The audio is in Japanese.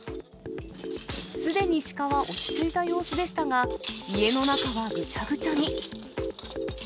すでにシカは落ち着いた様子でしたが、家の中はぐちゃぐちゃに。